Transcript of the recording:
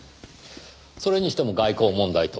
それにしても外交問題とは。